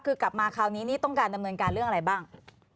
คือกลับมาคราวนี้นี่ต้องการดำเนินการเรื่องอะไรบ้าง